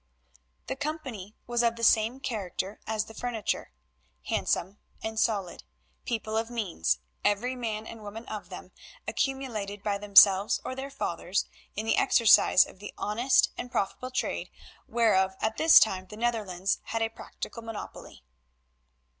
The company was of the same character as the furniture, handsome and solid; people of means, every man and woman of them, accumulated by themselves or their fathers, in the exercise of the honest and profitable trade whereof at this time the Netherlands had a practical monopoly.